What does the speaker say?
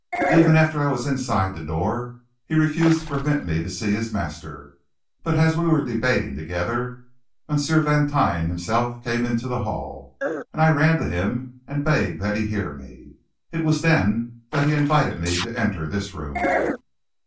Even after I was inside the door, he refused to permit me to see his master; but as we were debating together, M. Vantine himself came into the hall, and I ran to him and begged that he hear me. It was then that he invited me to enter this room."